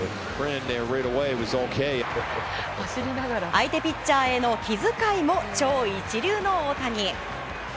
相手ピッチャーへの気遣いも超一流の大谷。